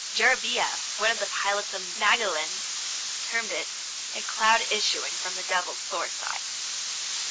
Jarabija, one of the pilots of Magellan, termed it "a cloud issuing from the devil's sore side."